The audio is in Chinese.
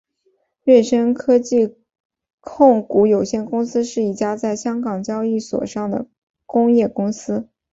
瑞声科技控股有限公司是一家在香港交易所上市的工业公司。